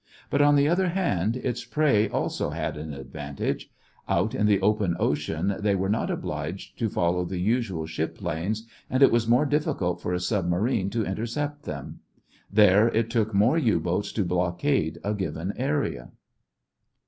But on the other hand, its prey also had an advantage. Out in the open ocean they were not obliged to follow the usual ship lanes and it was more difficult for a submarine to intercept them. There it took more U boats to blockade a given area.